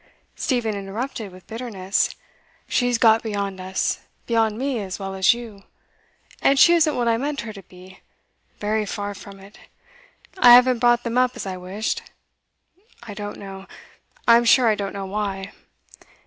Stephen interrupted with bitterness. 'She's got beyond us beyond me as well as you. And she isn't what I meant her to be, very far from it. I haven't brought them up as I wished. I don't know I'm sure I don't know why.